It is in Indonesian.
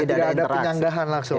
tidak ada penyanggahan langsung